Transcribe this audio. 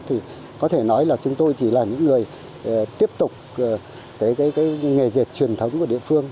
thì có thể nói là chúng tôi chỉ là những người tiếp tục cái nghề dệt truyền thống của địa phương